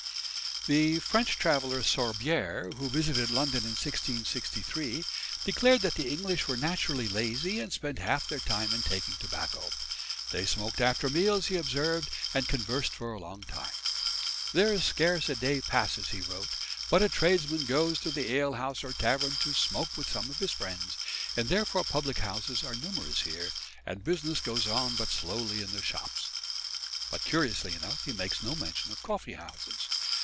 The French traveller, Sorbière, who visited London in 1663, declared that the English were naturally lazy and spent half their time in taking tobacco. They smoked after meals, he observed, and conversed for a long time. "There is scarce a day passes," he wrote, "but a Tradesman goes to the Ale house or Tavern to smoke with some of his Friends, and therefore Public Houses are numerous here, and Business goes on but slowly in the Shops"; but, curiously enough, he makes no mention of coffee houses.